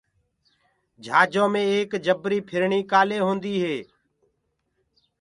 جھاجو مي ايڪ جبريٚ ڦرڻيٚ ڪآلي هونديٚ هي